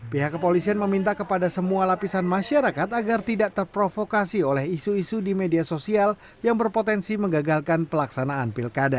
pihak kepolisian meminta kepada semua lapisan masyarakat agar tidak terprovokasi oleh isu isu di media sosial yang berpotensi menggagalkan pelaksanaan pilkada